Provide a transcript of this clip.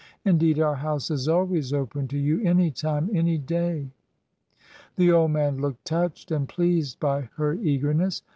Indeed our house is always open to you — any time, any day." The old man looked touched and pleased by her eagerness.